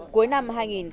cuối năm hai nghìn bốn